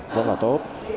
rất là tốt